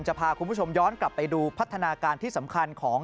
จะพาคุณผู้ชมย้อนกลับไปดูพัฒนาการที่สำคัญของ